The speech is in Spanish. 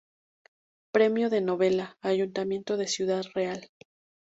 Premio de Novela Ayuntamiento de Ciudad Real.